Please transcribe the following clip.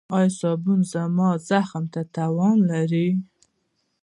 ایا صابون زما زخم ته تاوان لري؟